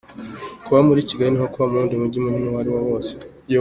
Kuba muri Kigali ni nko kuba mu wundi mujyi munini uwo ari wo wose.